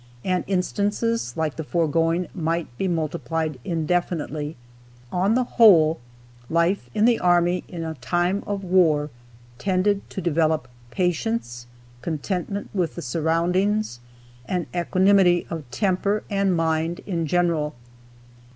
And instances like the foregoing might be multiplied indefinitely. On the whole, life in the army in a time of war tended to develop patience, contentment with the surroundings, and equanimity of temper and mind in general.